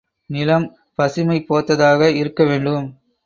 நிலம் பசுமை போர்த்ததாக இருக்க வேண்டும்.